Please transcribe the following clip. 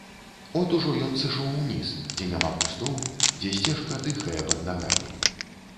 От ужо ён сышоў уніз, дзе няма кустоў, дзе сцежка дыхае пад нагамі.